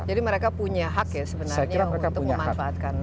jadi mereka punya hak ya sebenarnya untuk memanfaatkan